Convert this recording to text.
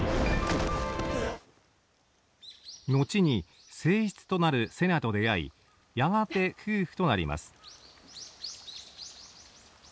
後に正室となる瀬名と出会いやがて夫婦となります。